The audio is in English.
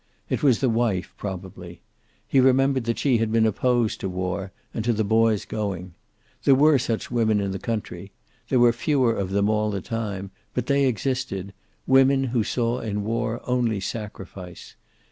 It was the wife, probably. He remembered that she had been opposed to war, and to the boy's going. There were such women in the country. There were fewer of them all the time, but they existed, women who saw in war only sacrifice.